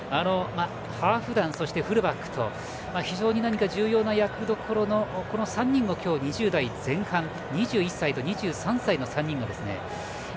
ハーフ団、フルバックと非常に重要な役どころの３人を今日、２０代前半２１歳と２３歳の３人が